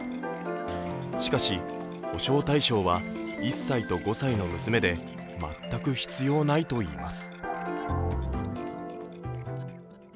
しかし保障対象は１歳と５歳の娘で全く必要ないといいます。